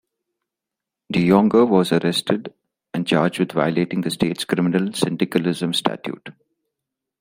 De Jonge was arrested and charged with violating the State's criminal syndicalism statute.